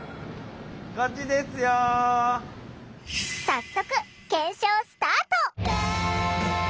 早速検証スタート！